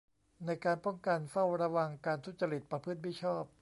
ในการป้องกัน เฝ้าระวัง การทุจริตประพฤติมิชอบ